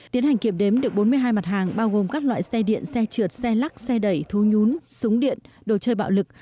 tiến hành kiểm đếm được bốn mươi hai mặt hàng bao gồm các loại xe điện xe trượt xe lắc xe đẩy thú nhún súng điện đồ chơi bạo lực